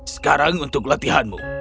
sekarang untuk latihanmu